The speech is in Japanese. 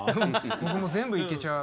僕も全部いけちゃう。